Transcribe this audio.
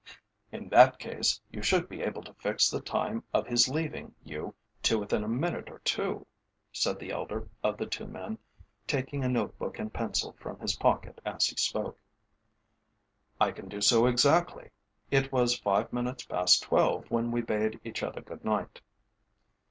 "In that case you should be able to fix the time of his leaving you to within a minute or two," said the elder of the two men, taking a note book and pencil from his pocket as he spoke. "I can do so exactly. It was five minutes past twelve when we bade each other good night."